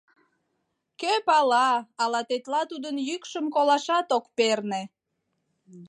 Кӧ пала, ала тетла тудын йӱкшым колашат ок перне!